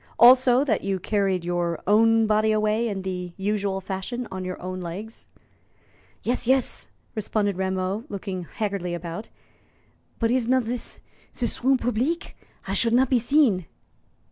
Also, that you carried your own body away in the usual fashion, on your own legs." "Yes, yes," responded Rameau, looking haggardly about; "but is not zis zis room publique? I should not be seen."